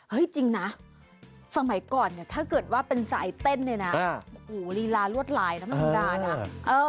เฮ้ยจริงนะสมัยก่อนเนี่ยถ้าเกิดว่าเป็นสายเต้นเนี่ยนะหูรีลารวดลายนะน้องดานะ